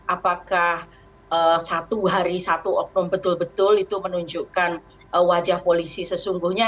apakah satu hari satu oknum betul betul itu menunjukkan wajah polisi sesungguhnya